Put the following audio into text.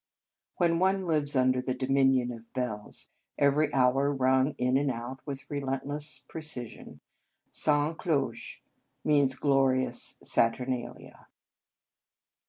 When one lives under 108 Un Conge sans Cloche the dominion of bells, every hour rung in and out with relentless pre cision, sans cloche means glorious saturnalia.